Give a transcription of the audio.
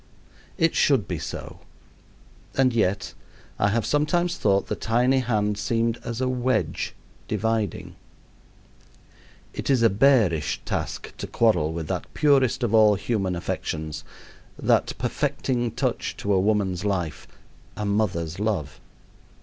It should be so, and yet I have sometimes thought the tiny hand seemed as a wedge, dividing. It is a bearish task to quarrel with that purest of all human affections that perfecting touch to a woman's life a mother's love.